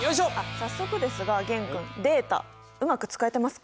早速ですが玄君データうまく使えてますか？